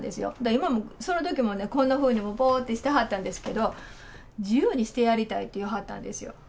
今もそのときも、こんなふうに、ぼーっとしてはったんですけど、自由にしてやりたいっていわはったんですよ。